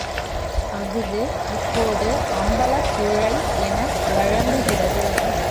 அஃது இப்போது அம்பலப்புழை என வழங்குகிறது.